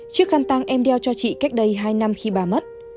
chiếc khăn tăng em đeo cho chị cách đây hai năm khi ba mất